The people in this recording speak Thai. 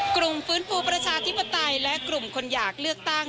กลุ่มฟื้นฟูประชาธิปไตยและกลุ่มคนอยากเลือกตั้ง